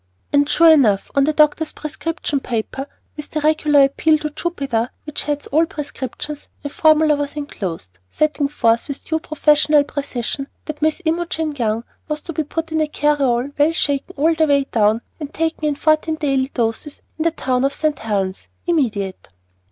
And sure enough, on the doctor's prescription paper, with the regular appeal to Jupiter which heads all prescriptions, a formula was enclosed setting forth with due professional precision that Miss Imogen Young was to be put in a carryall, "well shaken" on the way down, and taken in fourteen daily doses in the town of St. Helen's. "Immediate."